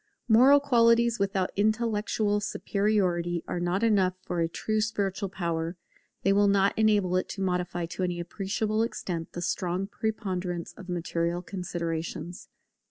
Moral qualities without intellectual superiority are not enough for a true spiritual power; they will not enable it to modify to any appreciable extent the strong preponderance of material considerations.